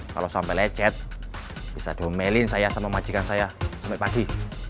kalau sampai lecet bisa domelin saya sama majikan saya sampai pagi